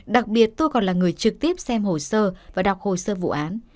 đặc biệt tôi còn là người trực tiếp xem hồ sơ và đọc hồ sơ vụ án